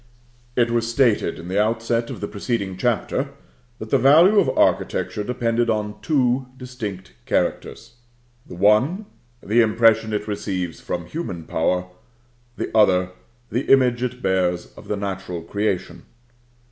It was stated, in the outset of the preceding chapter, that the value of architecture depended on two distinct characters: the one, the impression it receives from human power; the other, the image it bears of the natural creation.